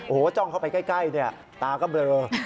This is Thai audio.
โอ้โหจ้องเข้าไปใกล้เนี่ยตาก็เบลอ